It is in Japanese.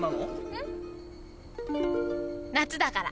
うん？夏だから。